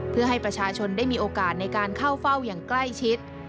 เพื่อให้ประชาชนได้มีโอกาสในการเข้าเฝ้าอย่างใกล้ชิด